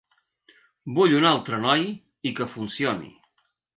Vull un altre noi i que funcioni.